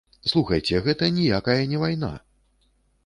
Слухайце, гэта ніякая не вайна.